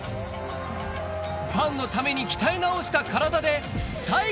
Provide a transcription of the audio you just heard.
ファンのために鍛え直した体で・白鵬！